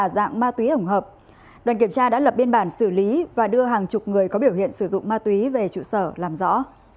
đoàn kiểm tra đã lập biên bản xử lý và đưa hàng chục người có biểu hiện sử dụng ma túy về trụ sở làm rõ